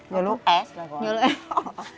ya lu s lah